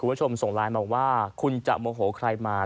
คุณผู้ชมส่งไลน์มาว่าคุณจะโมโหใครมา